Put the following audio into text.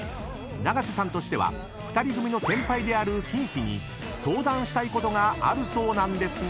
［永瀬さんとしては２人組の先輩であるキンキに相談したいことがあるそうなんですが］